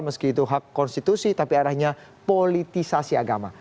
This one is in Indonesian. meski itu hak konstitusi tapi arahnya politisasi agama